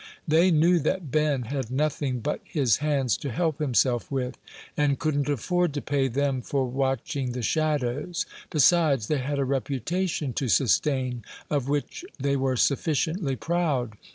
They knew that Ben had nothing but his hands to help himself with, and couldn't afford to pay them for watching the shadows; besides, they had a reputation to sustain, of which they were sufficiently proud.